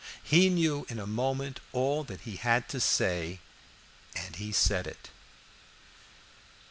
He knew in a moment all that he had to say, and he said it.